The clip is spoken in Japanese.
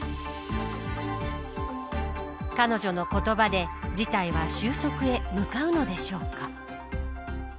彼女の言葉で、事態は収束へ向かうのでしょうか。